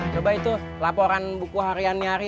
coba itu laporan buku hariannya hari